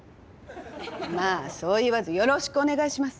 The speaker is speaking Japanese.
まあそう言わずよろしくお願いします。